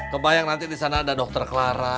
kebayang nanti di sana ada dokter clara